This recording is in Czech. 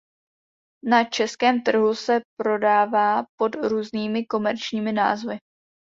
Na českém trhu se prodává pod různými komerčními názvy.